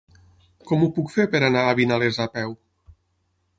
Com ho puc fer per anar a Vinalesa a peu?